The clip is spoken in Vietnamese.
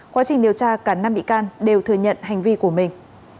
quá trình điều tra cả năm bị can đều thừa nhận hành vi của mình